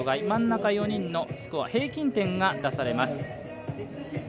真ん中４人のスコア平均点が出されます。